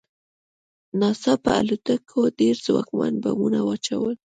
ناڅاپه الوتکو ډېر ځواکمن بمونه واچول